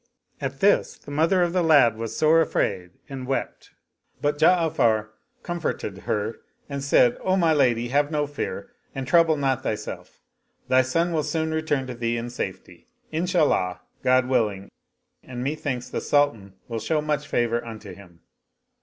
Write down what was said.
At this the mother of the lad was sore afraid and wept; but Ja'afar comforted her and said, " O my lady, have no fear and trouble not thyself. Thy son will soon return to thee in safety, Inshallah — God willing — ^and methinks the Sultan will show much favor unto him."